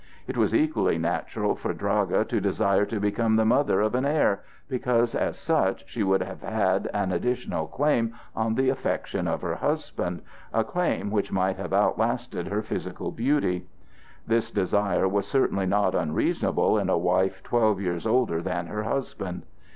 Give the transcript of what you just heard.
It was equally natural for Draga to desire to become the mother of an heir, because as such she would have had an additional claim on the affection of her husband,—a claim which might have outlasted her physical beauty. This desire was certainly not unreasonable in a wife twelve years older than her husband.